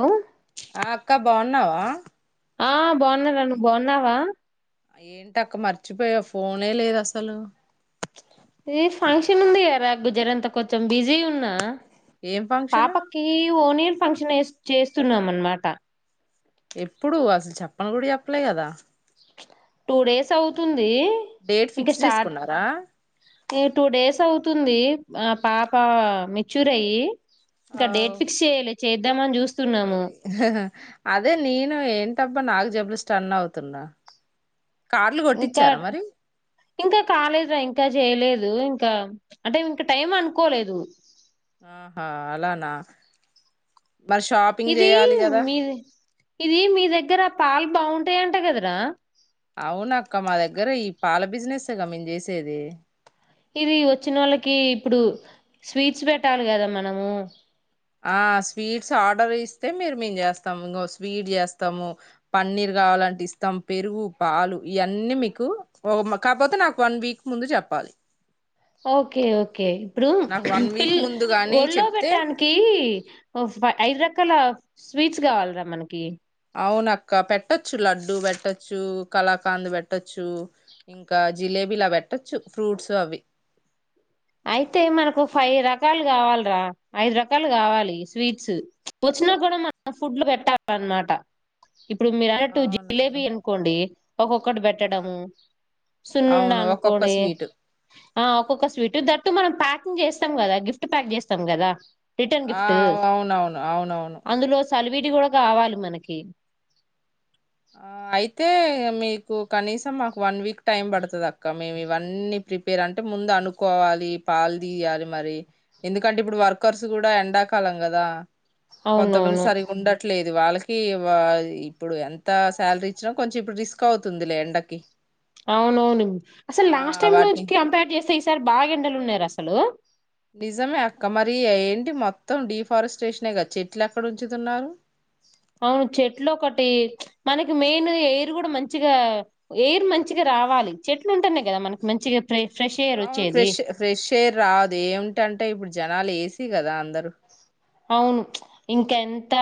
Hello ఆ అక్క బాగున్నావా ఆ బావున్నా రా నువ్వు బావున్నావా ఏంటి అక్క మర్చిపోయావ్ ఫోనే లేదు అసలు ఏ ఫంక్షన్ ఉంది కారా గుజెర అంతా కొంచెం బిజీ ఉన్నా ఏం ఫంక్షన్ పాపకి ఓనీల్ ఫంక్షన్ చేస్తున్నాం అన్నమాట ఎప్పుడు అసలు చెప్పని కూడా చెప్పలే కదా టూ డేస్ అవుతుంది ది డేట్ ఇంక ఫిక్స్ స్టార్ట్ చేసుకున్నారా టూ డేస్ అవుతుంది ఆ పాప మెచ్యూర్ అయ్యి ఇంకా అవ్ డేట్ ఫిక్స్ చేయాలే అదే నే ఏంటబ్బా నాకు చెప్పలే స్టన్ అవుతున్నా కార్లు ఇంకా కొట్టించారా మరి ఇంకా కాలేదురా ఇంకా చేయలే ఇంకా అంటే ఇంక టైం అనుకోలేదు అహా అలానా మరి షాపింగ్ ఇది చేయాలి కదా మీది ఇది మీ దగ్గర పాలు బాగుంటాయింట కదరా అవును అక్క మా దగ్గర ఈ పాల బిజినెస్ గా మేము చేసేది ఇది వచ్చినోళ్ళకి ఇప్పుడు స్వీట్స్ పెట్టాలి కదా మనము ఆ స్వీట్స్ ఆర్డర్ ఇస్తే మీరు మేము చేస్తాము ఇంగ స్వీట్ చేస్తాము పన్నీర్ కావాలంటే ఇస్తాం పెరుగు పాలు ఇవన్నీ మీకు ఒ కాపోతే నాకు వన్ వీక్ ముందు చెప్పా ఫస్ట్ ఓకే ఓకే ఇప్పుడు వన్ పిల్ వీక్ ముందు గాని ఒళ్లో చెప్తే పెట్టానికి ఫై ఐదు రకాల స్వీట్స్ కావాలి కథ మనకి అవునక్క పెట్టొచ్చు లడ్డూ పెట్టొచ్చు కళాకాండ్ పెట్టొచ్చు ఇంకా జిలేబీ లా పెట్టొచ్చు ఫ్రూట్స్ అవి అయితే మనకు ఫైవ్ రకాలు గావాలిరా ఐదు రకాలు గావాలి స్వీట్స్ వచ్చినా గూడా మనం ఫుడ్లు పెట్టాల అన్మాట ఇప్పుడు మీరు అన్నట్టు అవునా జిలేబీ అనుకోండి ఒక్కొక్కటి ఆ, పెట్టడము సున్నుండ అవును ఒక్కొక్క అనుకోండి స్వీటు ఆ ఒక్కొక్క స్వీట్ ట్ మనం ప్యాకింగ్ చేస్తాం గదా గిఫ్ట్ ప్యాక్ చేస్తాం గదా రిటర్న్ ఆ గిఫ్ట్ అవునవును అవునవును అందులో సలివిడి గుడ కావాలి మనకి ఆ అయితే ఇగ మీ మీకు కనీసం మాకు వన్ వీక్ టైం పడుతుదక్క మేమివన్నీ ప్రిపేర్ అంటే ముందనుకోవాలి. పాల్ దీయాలి మరి ఎందుకంటే ఇప్పుడు వర్కర్స్ గుడా ఎండాకాలం గదా కొంతమంది అవునవును సరిగుండట్లేదు వాళ్ళకి వా ఇప్పుడు శాలరీ ఇచ్చిన కొంచెం ఇప్పుడు రిస్క్ అవుతుంది లే ఎండకి అవునవును అసలు లాస్ట్ ఆ టైం ను వాటిని కంపేర్ చేస్తే ఈసారి బాగెండలు ఉన్నాయిరా అసలు నిజమే అక్క మరీ ఏంటి మొత్తం డీఫారెస్ట్రేషనే గా చెట్లెక్కడ ఉంచుతున్నారు అవును చెట్లొకటి మనకి మెయిన్ ఎయిరు గుడా మంచిగా ఎయిర్ మంచిగా రా కావాలి చెట్లుంటుంటేనే గదా మనకి మంచిగా ఫ్రె ఫ్రెష్ ఎయిర్ అవును వచ్చేది ఫ్రెష్ ఫ్రెష్ ఎయిర్ రాదు ఏమిటంటే ఇప్పుడు జనాలు ఏ సి గదా అందరూ అవును ఇంకెంత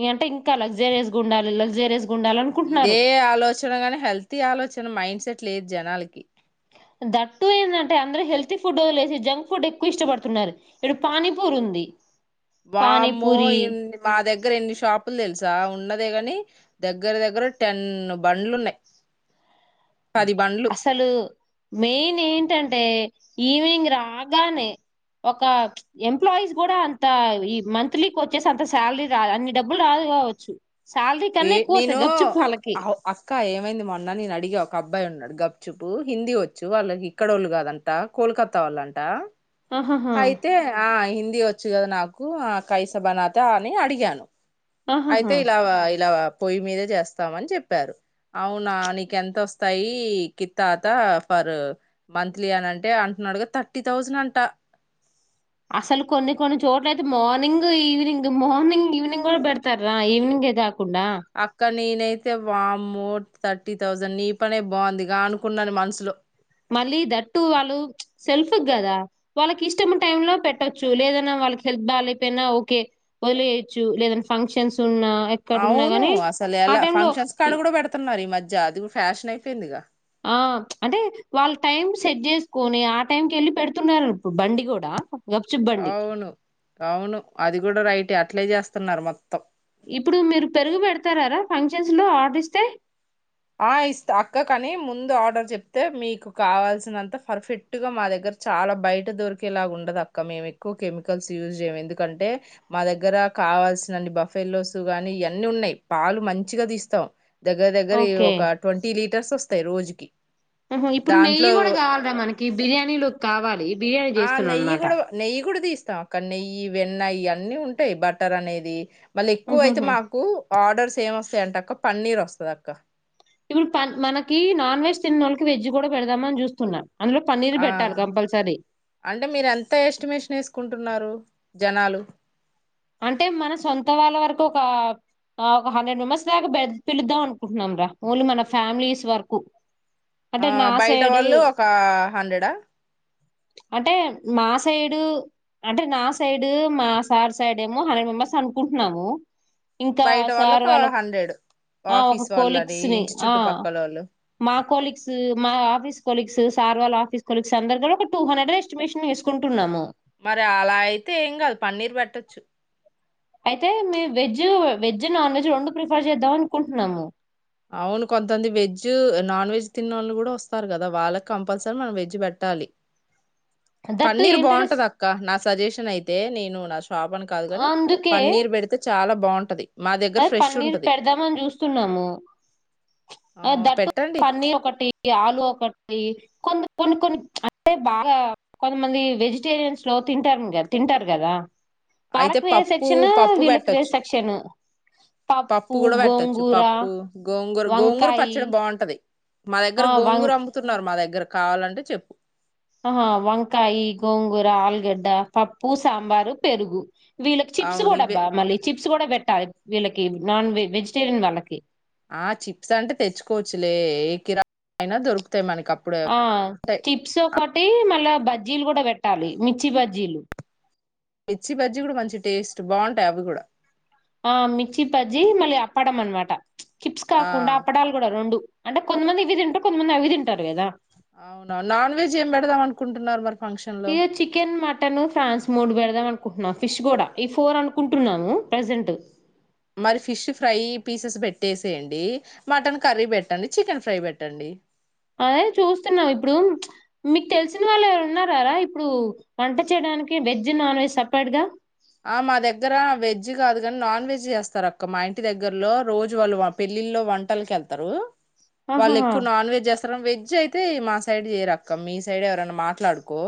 ఇ అంటే ఇంకా లగ్జరియస్ గుండాలి లగ్జరియస్ గా ఉండాలి ఇదే అనుకుంటున్నారు ఆలోచన గాని హెల్తీ ఆలోచన మైండ్ సెట్ లేదు జనాలకి దట్టు ఏందంటే అందరు హెల్తీ ఫుడ్ వదిలేసి జంక్ ఫుడ్ ఎక్కువ ఇష్టపడుతున్నారు, ఇప్పుడు పానీపూర్ ఉంద్. డి వామ్మో ఇన్ మా దగ్గరెన్ని షాపులు దెలుసా ఉన్నదే గని దగ్గర దగ్గర టెన్ బండ్లున్నయి అసలు మెయిన్ ఏంటంటే ఈవినింగ్ రాగానే ఒక ఎంప్లాయీస్ కూడా అంత ఈ మంత్లీకి వచ్చేసి అంత శాలరీ రా అన్ని డబ్బులు రాదు కావచ్చు శాలరీ కన్నా ఏ ఎక్కువ నేను వస్తాయి గప్చుప్ వాళ్ళకి అక్క ఏమైంది మొన్న నేను అడిగా ఒక అబ్బాయున్నాడు గప్చుపు హిందీ వచ్చు వాళ్ళు ఇక్కడోళ్ళు గాదంట కోల్కత్తా వాళ్ళంట ఆహాహా అయితే ఆ హిందీ వ చ్చు గద నాకు ఆ కైస బనాత అని అడిగాను ఆహాహా అయితే ఇలా ఇలా పొయ్యి మీదే చేస్తామని చెప్పారు అవునా నీకెంత వస్తాయి కిత్తాత ఫర్ మంత్లీ అనంటే అంటున్నాడుగా థర్టీ థౌసండ్ అంట అసలు కొన్ని కొన్ని చోట్ల అయితే మార్నింగ్ ఈవినింగ్ మార్నింగ్ ఈవినింగ్ గుడ పెడతార్రా ఈవినింగ్ ఏగా కుండా అక్క నేనైతే వామ్మో థర్టీ థౌసండ్ నీ పనే బాగుందిగా అనుకున్నాను మనసులో మళ్ళీ దట్టు వాళ్ళు సెల్ఫ్ గదా వాళ్ళకి ఇష్టం టైమ్ లో పెట్టచ్చు లేదన్నా వాళ్ళకి హెల్త్ బాగాలేపోయినా ఓకే వదిలేయొచ్చు లేదన్ ఫంక్షన్స్ ఉన్నా ఎక్కడున్నా అవును గాని అసలు ఆ ఎలా టైమ్ లో ఫంక్షన్స్ ఇ కాడ గుడా పెడుతున్నారు ఈ మధ్య అది కూడా ఫ్యాషన్ అయిపోయిందిగా. ఆ అంటే వాళ్ళ టైం సెట్ చేసుకోని ఆ టైంకెళ్ళి పెడుతున్నారు ఇప్పుడు బండి గూడా అవును అవును అది గుడా రైటే అట్లే చేస్తున్నారు మొత్త్ ఇప్పుడు మీరు పెరుగు పెడతారారా ఫంక్షన్స్ లో ఆర్డర్ ఇస్తే ఆ ఇస్త అక్క కాని ముందు ఆర్డర్ చెప్తే మీకు కావాల్సినంత ఫర్ఫెక్ట్ గా మా దగ్గర చాలా బయట దొరికేలాగా ఉండదక్క మేము ఎక్కువ కెమికల్స్ యూజ్ చేయము ఎందుకంటే మా దగ్గర కావల్సిన్ని బఫెల్లోస్ గానీ ఇయన్నీ ఉన్నయి పాలు మంచిగా తీస్తాం దగ్గ్ దగ్గరి ఓకే ఒక ట్వంటీ లీటర్స్ వస్తాయి రోజుకి ఓహో ఇప్పుడు నెయ్యి దాంట్లో గూడా కావాలిరా మనకి బిర్యానీలోక్ కావాలి బిర్యానీ ఆ చేస్తున్నాను నెయ్యి అనమాట గుడ నెయ్యి గుడ తీస్ అక్క నెయ్యి వెన్న ఇయన్నీ ఉంటాయి బటర్ అనేది మళ్ళి ఎక్కువైతే ఉహుహు మాకు ఆర్డర్స్ ఏం వస్తాయంటే అక్క పన్నీర్ వస్తుదక్క ఇప్పుడు మనకి నాన్ వెజ్ తిన్న వాళ్ళకి వెజ్ కూడా పెడదామ అని చూస్తున్నాను ఆ అంటే మీర ఎంత ఎస్టిమేషన్ వేసుకుంటున్నారు జనాలు అంటే మన సొంత వాళ్ళ వరకు ఒక ఒక హండ్రెడ్ మెంబర్స్ దాకా పెిలుద్దాం అనుకుంటున్నాంరా ఓన్లీ మన ఫ్యామిలీస్ వరకు అంటే ఆ బయట నాసైడు వాళ్ళు ఒక హండ్రెడా అంటే మా సైడు అంటే నా సైడు మా సార్ సైడ్ ఏమో హండ్రెడ్ మెంబర్స్ అనుకుంటున్నాము ఇంకా బయట వాళ్ళు సార్ ఒక వాళ్ళకు హండ్రెడ్ ఆ ఒక ఆఫీస్ వాళ్ళని కోలీగ్స్ ని ఇంటి ఆ చుట్టుపక్కల వాళ్ళు మా కోలీగ్స్ మా ఆఫీస్ కొలిక్స్ సార్వల్ ఆఫీస్ కొలిక్స్ అందరు కూడా ఒక టూ హండ్రెడ్ ఎస్టిమేషన్ వేసుకుంటున్నాము మరి అలా అయితే ఏం కాదు పన్నీర్ పెట్టొచ్చు అయితే మేము వెజ్ వెజ్ నాన్ వెజ్ రెండు ప్రిఫర్ చేద్దాం అనుకుంటున్నాము అవును కొంతమంది వెజ్ నాన్ వెజ్ తిన్న వాళ్ళు కూడా వస్తారు కదా వాళ్ళకి కంపల్సరీ మనం వెజ్ట్ట ట్టాల దట్ టూ పన్నీర్ ఏంటంటే బాగుంటది స్- అక్క నాకు సజెషన్ అయితే నేను నా షాప్ అని కాదు కాని పన్నీర్ పెడితే చాలా బాగుంటది మా దగ్గర అదే ఫ్రెష్ పన్నీర్ ఉంటది పెడదామని చూస్తున్నాము ఆ దట్టు పనీ ఒకటి ఆలు ఒకటి కొన్ని కొన్ని అంటే బాగా కొంతమంది వెజిటేరియన్స్ లో తింటారు కా తింటారు కదా అయితే వాలకు వేరే పప్పు సెక్షన్ పప్పు వీళ్ళకి పెట్టొచ్చు వేరే సెక్షన్ పప్పు, కూడా పెట్టొచ్చు గోంగూర, పప్పు గోంగూర గోంగూర వంకాయి పచ్చడి బాగుంటది మా దగ్గర ఆహ్, వం గోంగూరు అమ్ముతున్నారు మా దగ్గర కావాలంటే చెప్పు ఆహ వంకాయ గోంగూర ఆలుగడ్డ పప్పు సాంబారు పెరుగు వీళ్ళకి చిప్స్ అవును ఇవే కూడాబ్బా మళ్ళీ చిప్స్ కూడా పెట్టాలి వీళ్ళకి నాన్ వె వెజిటేరియన్ వాళ్ళకి ఆ చిప్స్ అంటే తెచ్చుకోవచ్చులే ఏ కిరాణ అయినా దొరుకుతాయి మనకి అప్పుడు ఆ ఉంటాయి చిప్స్ ఒకటి మళ్ళ బజ్జీలు కూడా పెట్టాలి మిర్చి బజ్జీలు మిచ్చి బజ్జీ కూడా మంచి టేస్ట్ బాగుంటాయి అవి కూడా ఆ మిర్చి బజ్జి మళ్ళీ అప్పడం అనమాట చిప్స్ ఆ కాకుండా అప్పడాలు కూడా రెండు అంటే కొంతమంది ఇవి తింటారు కొంతమంది అవి తింటారు కదా అవునావు నాన్ వెజ్ ఏం పెడదాం అనుకుంటున్నారు మరి ఫంక్షన్ లో ఇ చికెన్ మటన్ ఫ్రాన్స్ మూడు బెడదా మను కుంటున్న ఫిష్ కూడా ఈ ఫోర్ అనుకుంటున్నాము ప్రజెంట్ మరి ఫిష్ ఫ్రై పీసెస్ పెట్టేసేయండి మటన్ కర్రీ పెట్టండి చికెన్ ఫ్రై పెట్టండి అదే చూస్తున్నాం ఇప్పుడు మీకు తెలిసిన వాళ్ళు ఎవరు ఉన్నారా రా ఇప్పుడు వంట చేయడం వెజ్ నాన్ వెజ్ సపరేట్ గా ఆ మా దగ్గర వెజ్ కాదు కాని నాన్ వెజ్ చేస్తారు అక్క మా ఇంటి దగ్గరలో రోజు వాళ్ళు మా పెళ్లి ల్లో వంటకెల్తరు వాళ్లు ఆహాహా ఎక్కువ నాన్వజ్ చేస్తరు రం వెజ్ అయితే మా సైడ్ ఏ రకం మీ సైడ్ ఎవరైనా మాట్లాడుకో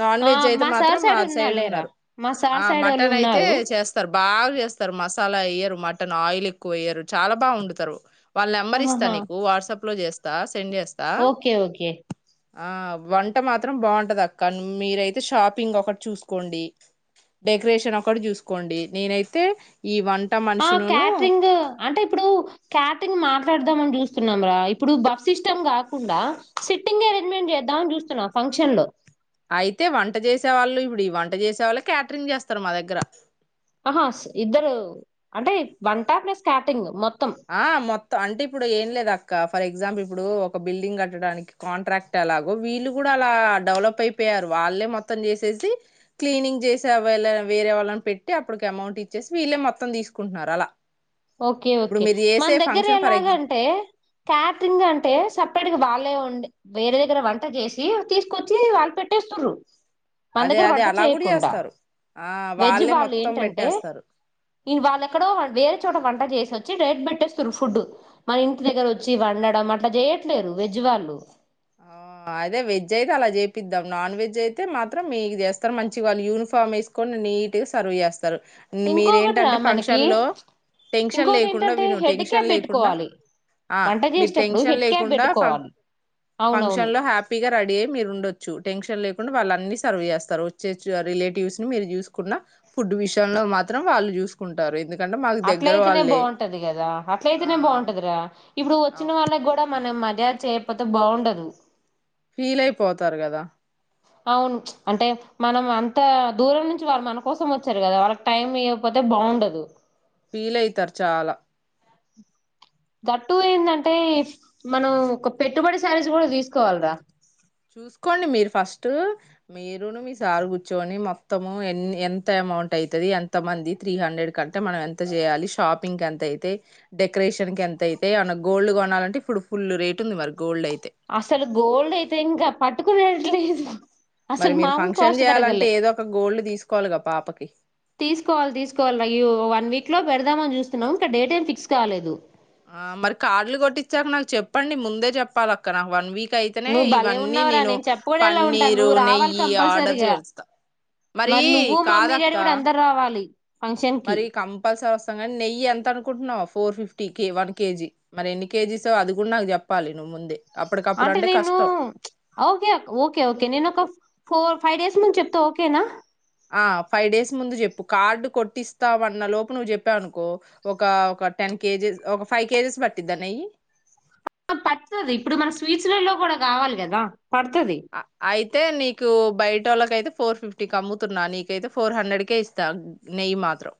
నాన్ ఆ వెజ్ అయితే మాత్రం సార్ మా సైడ్ లేరా ఉన్నారు మా ఆ సార్ సైడ్ వాళ్ళు మటన్ అయితే ఉన్నారు చేస్తారు బాగా చేస్తారు మసాలా వయ్యరు మటన్ ఆయిల్ ఎక్కువ వేయ్యరు చాలా బా వండుతారు వాళ్ళ నెంబర్ ఇస్తా ఆహాహా నీకు వాట్సాప్లో చేస్తా సెండ్ చేస్తా ఓకే ఓకే ఆ వంట మాత్రం బాగుంటది అక్క మీరయితే షాపింగ్ ఒకటి చూసుకోండి డెకరేషన్ ఒకటి చూసుకోండి నేనైతే ఈ వంట ఆ మనుషునును క్యాటరింగ్ అంటే ఇప్పుడు క్యాటరింగ్ మట్ మాట్లాడదాం అని చూస్తున్నాం రా ఇప్పుడు బస్ సిస్టమ్ కాకుండా సిట్టింగ్ అరేంజ్మెంట్ చేద్దాంని చూస్తున్నాం ఫంక్షన్లో అయితే వంట చేసే వాళ్ళు ఇప్పుడు వంట చేసే వాళ్ళు క్యాటరింగ్ చేస్తారు మా దగ్గర ఆహా ఇద్దరు అంటే వంట ప్లస్ క్యాటరింగ్ మొత్తం ఆ మొత్తం అంటే ఇప్పుడు ఏం లేదు అక్క ఫర్ ఎ ఎగ్జామ్ ఇప్పుడు ఒక బిల్డింగ్ కట్టడానికి. కాంట్రాక్ట్ ఎలాగో వీళ్ళు కూడా అలా డెవలప్ అయిపోయారు వాళ్ళ. వాళ్లుమొత్తం చేససి, క్లీనింగ్ చేసే వేరే వాళ్ళని పెట్టి అప్పుకి అమౌంట్ ఇచ్చేసి వీళ్ళ మొత్తం. మొత్తం తీసుకుంటున్నారు అలా. ఓకే ఇప్పుడు ఓకే మీరు మన చేసే దగ్గర ఫంక్షన్ ఫర్ ఎగ్జా ఎలాగంటే క్యాటరింగ్ అంటే స. అప్పటికి వాళ్ళే ఉండి, వేరే దగ్గర వంట చేసి తీసుకొచ్చి వాళ్ళు పెట్టేస్తుర్రు. మన అదే దగ్గర అదే వంట అలా కూడా చేయకుండా. చేస్తారు ఆ వెజ్ వాళ్ళే వాళ్ళు మొత్తం ఏంటంటే. పెట్టేస్తారు ఇన్ వాళ్ళెక్కడో వేరే చోట. వంట చేసి వచ్చి డైరెక్ట్ పెట్టేస్తారు. ఫుడ్ మన ఇంటి దగ్గర వచ్చి వండడం, అట్లా చేయట్లేరు వెజ్ వాళ్లు హలోస్ ఆ అదే వెజ్ అయితే అలా చేపిద్దాం. నాన్ వెజ్ అయితే మాత్రం మీరు చేస్తారు. మంచి వాళ్ళ యూనిఫామ్ వేసుకొని. నీట్ గా సర్వ్ చేస్తారు. ఇంకొకటి రా మీరేంటంటే మనకి ఫంక్షన్ లో. టెన్షన్ ఇంకోటి లేకుండా ఏంటంటే విను హెడ్ టెన్షన్ క్యాప్ లేకుండా. పెట్టుకోవాలి ఆ వంట మీరు చేసేటప్పుడు టెన్షన్ హెడ్ క్యాప్ లేకుండా ఫ పెట్టుకోవాలి అవునవును ఫంక్షన్ లో హ్యాపీ. నీటుగా రెడీ అయి మీరు ఉండొచ్చు. టెన్షన్ లేకుండా వాళ్ళ అన్ని సర్వ్ చేస్తారు. వచ్చొచ్చే రిలేటివ్స్ ని మీరు చూసుకున్న. ఫుడ్ విషయంలో మాత్రం వాళ్ళు చూసుకుంటారు. ఎందు. అట్ల అయితేనే బాగుంటదికదా. అట్ల ఆ అయితేనే బాగుంటదిరా. ఇప్పుడు వచ్చిన అవును వాళ్ళకి కూడా మనం మర్యాద చేయకపోతే బాగుండదు. ఫీల్ అయిపోతారు కదా. అవును అంటే మనం అంత దూరం నుంచి వాళ్ళు మన కోసం వచ్చారు. కదా వాళ్ళకి టైం ఇవ్వకపోతే. అయితే బాగుండదు. ఫీల్ అయితారు చాలా. దట్టు ఏందంటే మనం ఒక పెట్టుబడి. శారీజ్ కూడా తీసుకోవాలరా. చూసుకోండి మీరు ఫస్ట్ మీరును మీ సార్ కూర్చోని మొత్తము ఎన్ని ఎంత. అమౌంట్ అయితది. ఎంత మంది త్రీ హండ్రెడ్ కంటే మనం ఎంత చేయాలి. షాపింగ్ ఎంత అయితయ్ డెకరేషన్. కి ఎంత అయితే ఏమన్నా గోల్డ్ కొనాలంటే. ఇప్పుడు ఫుల్ రేట్ ఉంది. మరి గోల్డ్ అయితే. అసలు గోల్డ్ అయితే ఇంకా పట్టుకునేటట్లు లేదు. మరి మీరు ఫంక్షన్ చేయాలంటే. ఏదో ఒక గోల్డ్ తీసుకోవాలిగా పాపకి. తీసుకోవాలి తీసుకోవాలి అయ్యో వన్ వీక్ లో పెడదామని చూస్తున్నాం. ఇంకా డేట్ ఏం ఫిక్స్ కాలేదు. ఆ మరి కార్డులు కొట్టిచ్చాక. నాకు చెప్పండి. ముందే చెప్పాలి అక్క నాకు వన్ వీక్. అట్లయితేనే నువ్వు భలే ఇవన్నీ ఉన్నావురా నేను చెప్పకూడా ఎలా ఉంటాను పన్నీరు నువ్వు రావాలి నెయ్యి ఆర్డర్ కంపల్సరీగా చేస్తా. మరి నువ్వు మమ్మీ డాడీ కాదక్కా. కూడా అందరు రావాలి ఫంక్షన్ కి మరి కంపల్సరీ వస్తాం కానీ నెయ్యి ఎంత అనుకుంటున్నావా ఫోర్ ఫిఫ్టీ. టీకి వన్ కేజీ మరి ఎన్ని కేజీ సో అది కూడా నాకు చెప్పాలి నువ్వు ముందే. అప్పటికప్పుడు అంటే నేను కష్టం ఓకే ఓకే ఓకే నేను ఒక. ఫోర్ ఫైవ్ డేస్ ముందు చెప్తా ఓకేనా. ఆ ఫైవ్ డేస్ ముందు చెప్పు. కార్డు కొట్టిస్తామన్న. లోపు నువ్వు చెప్పావునుకో ఒక టెన్. కేజెస్ ఒక ఫైవ్ కేజెస్ పట్టిద్దా నెయ్యి. పడుతుది ఇప్పుడు మన స్వీట్లల్లోకి లో కూడా కావాలి కదా పడుతుది. అ- అయితే నీకు బయట వాళ్ళకయితే ఫోర్ ఫిఫ్టీ కి అమ్ముతున్నా. నీకైతే ఫోర్ హండ్రెడ్కే ఇస్తా. నెయ్యి మా. మాత్రం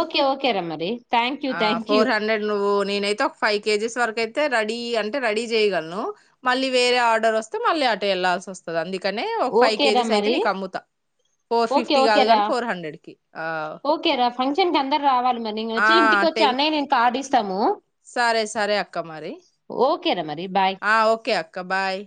ఓకే ఓకే రా మరి. థ్యాంక్ యూ ఆ థ్యాంక్ యూ ఫోర్ హండ్రెడ్ నువ్వు. నేనయితే ఒక ఫైవ్ కేజీస్ వరకు అయితే. రెడీ అంటే రెడీ చేయలను. మళ్ళీ వేరే ఆర్డర్ వస్తే మళ్ళ. అట వెళ్లాల్సి వస్తుంది. అందుకనే ఒక ఫైవ్ ఓకే రా కేజీస్ అయితే మరి నీకు అమ్ముతా. ఫోర్ ఓకే ఫిఫ్టీ కాదు ఓకేరా కానీ ఫోర్ హండ్రెడ్ కి ఆ ఓకే రా ఫంక్షన్ కి అందరు రావాలి మరి. ఆ వచ్చి ఇంటికిచ్చి టెన్ అన్నయ్యే నేను కార్డు ఇస్తా. సరే సరే అక్క మరి ఓకే రా మరి బాయ్ ఆ ఓకే అక్క బాయ్.